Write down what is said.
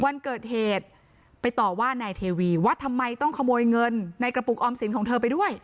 วันเกิดเหตุไปต่อว่านายเทวีว่าทำไมต้องขโมยเงินในกระปุกออมสินของเธอไปด้วย